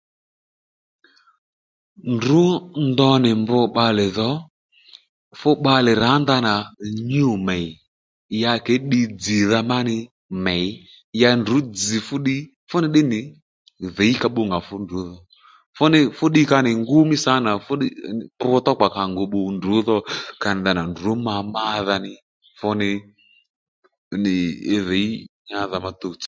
Ndrǔ ndo nì mbr bbalè dhò fú bbalè rǎ ndanà nyû mèy ya kě ddiy dzzìdha ma nì mèy ya ndrǔ dzzì fúddiy ddí fú ni ddí nì dhǐy ka bbû nga fúndrú dho fú nì fú ddiy ka nì ngú mí sâ nà fúddiy mbr thókpa ka nì ngu bbu ndrǔ dho ka nì ndanà ndrǔ ma mádha nì fú nì í dhǐy nyádha má tutsò